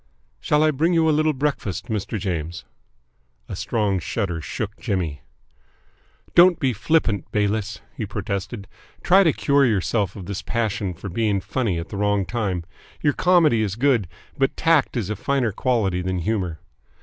"Shall I bring you a little breakfast, Mr. James?" A strong shudder shook Jimmy. "Don't be flippant, Bayliss," he protested. "Try to cure yourself of this passion for being funny at the wrong time. Your comedy is good, but tact is a finer quality than humour.